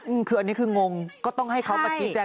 อืมคืออันนี้คืองงก็ต้องให้เขามาชี้แจง